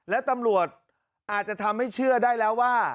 และตำรวจอาจจะทำให้เชื่อได้แล้วว่า